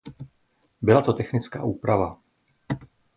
Byla to technická úprava.